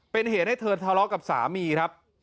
เป็นเหตุให้เธอทะเลาะกับสามีครับ